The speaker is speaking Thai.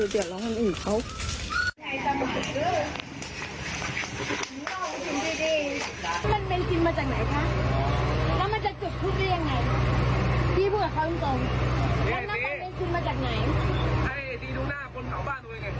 เออเดี๋ยวเราทำอย่างอื่นเขา